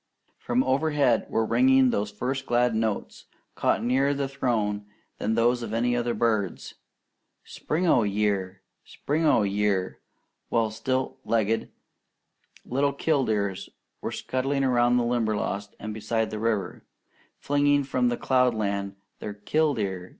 From overhead were ringing those first glad notes, caught nearer the Throne than those of any other bird, "Spring o' year! Spring o' year!"; while stilt legged little killdeers were scudding around the Limberlost and beside the river, flinging from cloudland their "Kill deer!